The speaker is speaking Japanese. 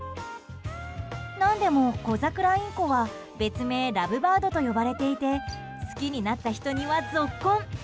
何でも、コザクラインコは別名ラブバードと呼ばれていて好きになった人には、ぞっこん。